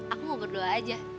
aku mau berdoa aja